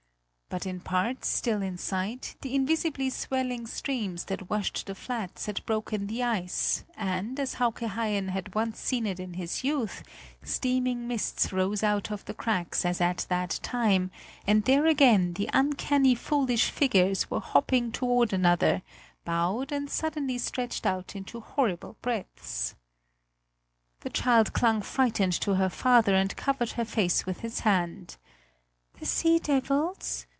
But in parts still in sight, the invisibly swelling streams that washed the flats had broken the ice and, as Hauke Haien had once seen it in his youth, steaming mists rose out of the cracks as at that time, and there again the uncanny foolish figures were hopping toward one another, bowed and suddenly stretched out into horrible breadths. The child clung frightened to her father and covered her face with his hand. "The sea devils!"